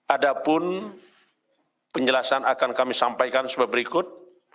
adapun penjelasan akan kami sampaikan sebagai berikut